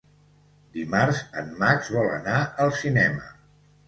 Dimarts en Max vol anar al cinema.